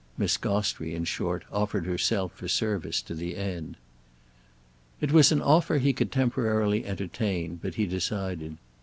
Miss Gostrey, in short, offered herself for service to the end. It was an offer he could temporarily entertain; but he decided.